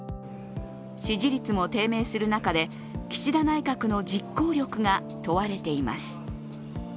支持率も低迷する中で岸田内閣の実行力が問われています。